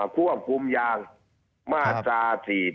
ควบคุมยางมาตรา๔๔